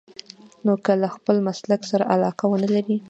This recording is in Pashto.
نو که له خپل مسلک سره علاقه ونه لرئ.